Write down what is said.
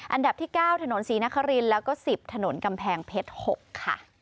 อันดับที่๙ถนนศรีนครินแล้วก็๑๐ถนนกำแพงเพชร๖ค่ะ